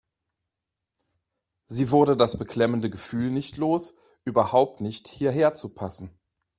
Sie wurde das beklemmende Gefühl nicht los, überhaupt nicht hierher zu passen.